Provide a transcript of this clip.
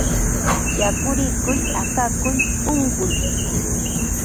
Yakurikuq akakuy unquy